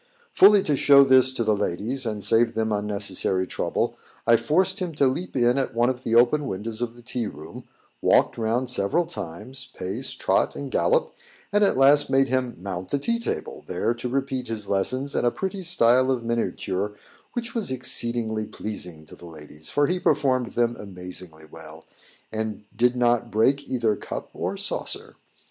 Fully to show this to the ladies, and save them unnecessary trouble, I forced him to leap in at one of the open windows of the tea room, walked round several times, pace, trot, and gallop, and at last made him mount the tea table, there to repeat his lessons in a pretty style of miniature which was exceedingly pleasing to the ladies, for he performed them amazingly well, and did not break either cup or saucer.